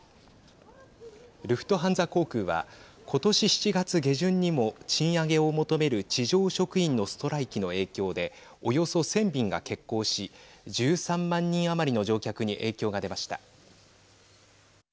ルフトハンザ航空は今年７月下旬にも賃上げを求める地上職員のストライキの影響でおよそ１０００便が欠航し１３万人余りの乗客に影響が出ました。